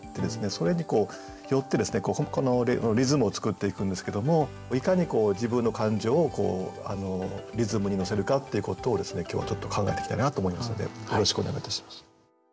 それによってリズムを作っていくんですけどもっていうことを今日はちょっと考えていきたいなと思いますのでよろしくお願いいたします。